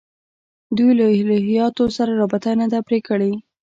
دوی له الهیاتو سره رابطه نه ده پرې کړې.